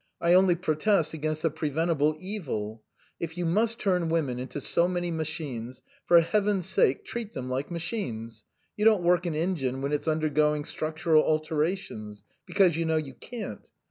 I only protest against the preventible evil. If you must turn women into so many machines, for Heaven's sake treat them like machines. You don't work an engine when it's undergoing structural alter ations because, you know, you can't.